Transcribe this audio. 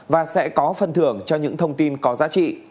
và sẽ có phần thưởng cho những thông tin có giá trị